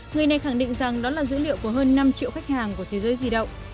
người này khẳng định rằng đó là dữ liệu của hơn năm triệu khách hàng của thế giới di động